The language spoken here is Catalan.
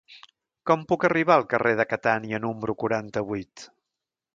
Com puc arribar al carrer de Catània número quaranta-vuit?